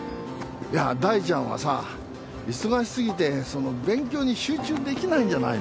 いや大ちゃんはさ忙しすぎて勉強に集中できないんじゃないの？